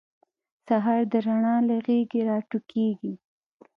سهار د رڼا له غیږې راټوکېږي.